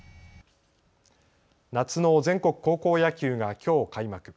夏の全国高校野球がきょう開幕。